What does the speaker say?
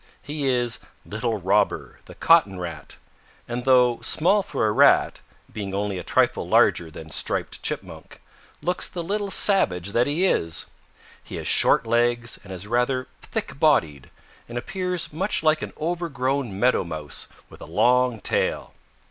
He is Little Robber the Cotton Rat, and though small for a Rat, being only a trifle larger than Striped Chipmunk, looks the little savage that he is. He has short legs and is rather thick bodied, and appears much like an overgrown Meadow Mouse with a long tail.